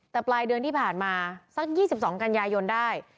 แต่ปลายเดือนที่ผ่านมาสัก๒๒กันยายนได้